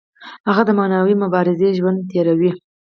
هغه د معنوي مبارزې ژوند تیروي.